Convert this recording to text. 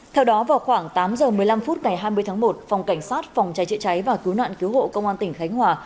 theo đó vào khoảng tám giờ một mươi năm phút ngày hai mươi tháng một phòng cảnh sát phòng cháy chữa cháy và cứu nạn cứu hộ công an tỉnh khánh hòa